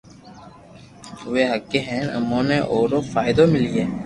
آوي ھگي ھين امو ني اي رو فائدو ملئي